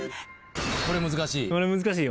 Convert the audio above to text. これ難しい。